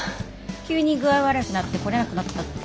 急に具合悪くなって来れなくなったって。